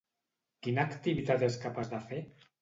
Quina activitat és capaç de fer?